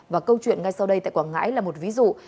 và câu chuyện ngay sau đây tại quảng ngãi là một ví dụ